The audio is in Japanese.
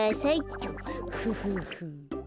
フフフ。